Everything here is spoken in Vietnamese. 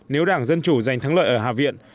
nếu đảng dân chủ giành thắng lợi ở hạ viện